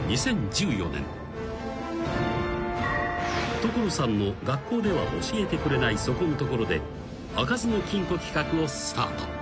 ［『所さんの学校では教えてくれないそこんトコロ！』で開かずの金庫企画をスタート］